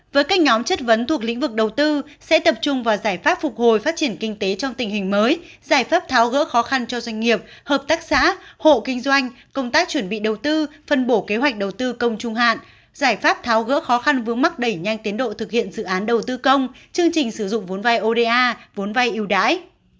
với các nhóm chất vấn thuộc lĩnh vực đầu tư sẽ tập trung vào giải pháp phục hồi phát triển kinh tế trong tình hình mới giải pháp tháo gỡ khó khăn cho doanh nghiệp hợp tác xã hộ kinh doanh công tác chuẩn bị đầu tư phân bổ kế hoạch đầu tư công trung hạn giải pháp tháo gỡ khó khăn vướng mắc đẩy nhanh tiến độ thực hiện dự án đầu tư công chương trình sử dụng vốn vai oda vốn vai yêu đái